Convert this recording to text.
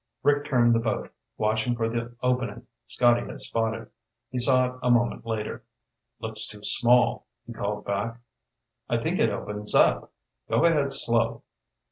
Rick turned the boat, watching for the opening Scotty had spotted. He saw it a moment later. "Looks too small," he called back. "I think it opens up. Go ahead slow."